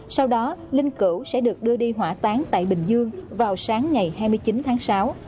sau đó linh cửu sẽ được đưa đi hỏa tán tại bình dương vào sáng ngày hai mươi chín tháng sáu